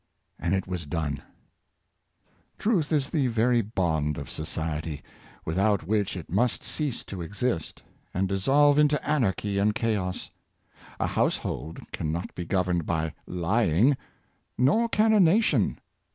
" And it was done. Truth is the very bond of society, without which it must cease to exist, and dissolve into anarchy and chaos. A household can not be governed by lying; nor can a nation.